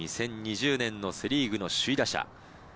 ２０２０年のセ・リーグの首位打者。